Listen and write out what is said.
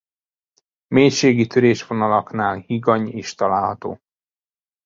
Mélységi törésvonalaknál higany is található.